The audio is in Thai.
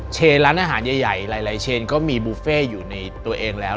ร้านอาหารใหญ่หลายเชนก็มีบุฟเฟ่อยู่ในตัวเองแล้ว